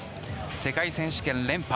世界選手権連覇。